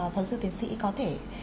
phán sư tiến sĩ có thể